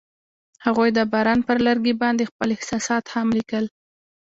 هغوی د باران پر لرګي باندې خپل احساسات هم لیکل.